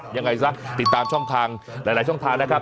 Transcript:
ยังไงซะติดตามช่องทางหลายช่องทางนะครับ